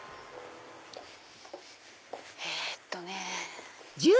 えっとね。